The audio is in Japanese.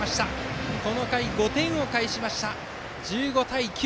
この回、５点を返して１５対９。